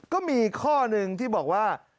ก็มีข้อหนึ่งที่บอกว่า